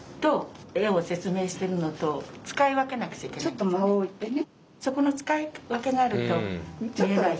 ちょっと間を置いてね。